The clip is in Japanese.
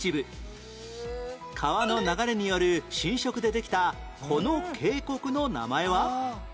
川の流れによる浸食でできたこの渓谷の名前は？